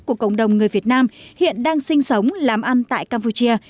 của cộng đồng người việt nam hiện đang sinh sống làm ăn tại campuchia